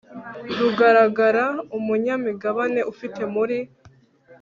rugaragara umunyamigabane ufite muri